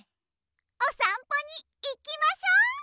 おさんぽにいきましょ！